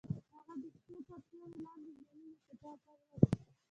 هغې د شپه تر سیوري لاندې د مینې کتاب ولوست.